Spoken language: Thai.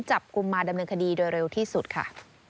จับกลุ่มมาดำเนินคดีโดยเร็วที่สุดค่ะ